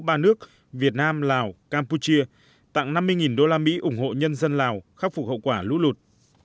ba nước việt nam lào campuchia tặng năm mươi usd ủng hộ nhân dân lào khắc phục hậu quả lũ lụt